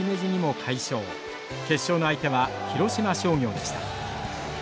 決勝の相手は広島商業でした。